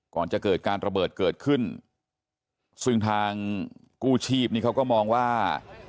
ก่อนจะเกิดการระเบิดเกิดขึ้นซึ่งทางกู้ชีพนี่เขาก็มองว่า